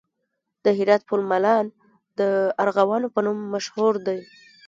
د هرات پل مالان د ارغوانو په نوم مشهور دی